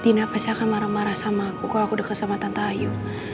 dina pasti akan marah marah sama aku kalo aku deket sama tante ayu